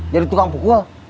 jadi tukang pukul